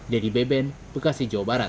dedy beben bekasi jawa barat